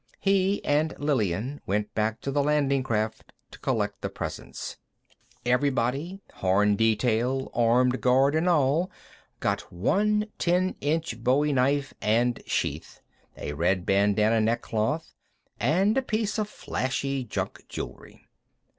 He and Lillian went back to the landing craft to collect the presents. Everybody, horn detail, armed guard and all, got one ten inch bowie knife and sheath, a red bandanna neckcloth, and a piece of flashy junk jewelry.